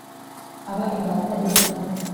aba imbata ibwami,